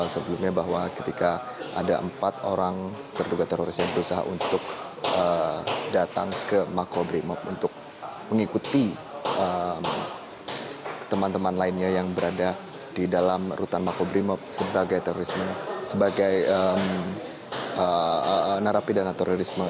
sebelumnya bahwa ketika ada empat orang terduga teroris yang berusaha untuk datang ke makobrimob untuk mengikuti teman teman lainnya yang berada di dalam rutan makobrimob sebagai terorisme sebagai narapidana terorisme